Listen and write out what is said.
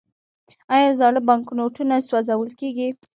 آیا زاړه بانکنوټونه سوځول کیږي؟